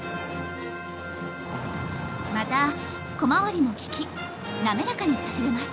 また小回りも利き滑らかに走れます。